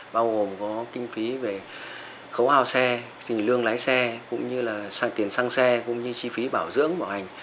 bao gồm có kinh phí về khấu hào xe lương lái xe tiền xăng xe chi phí bảo dưỡng bảo hành